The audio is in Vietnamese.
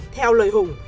theo lời hùng